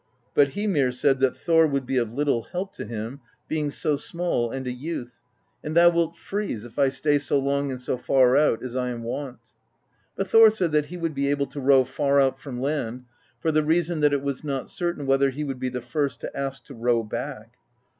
But Hymir said that Thor would THE BEGUILING OF GYLFI 69 be of little help to him, being so small and a youth, 'And thou wilt freeze, if I stay so long and so far out as I am wont/ But Thor said that he would be able to row far out from land, for the reason that it was not certain whether he would be the first to ask to row back.